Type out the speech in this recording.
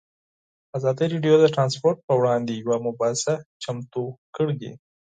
ازادي راډیو د ترانسپورټ پر وړاندې یوه مباحثه چمتو کړې.